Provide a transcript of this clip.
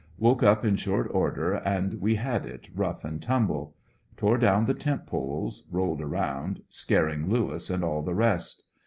Woke up in short order and we had it, rough and tumble. Tore down the tent poles — rolled around — scaring Lewis and all the rest.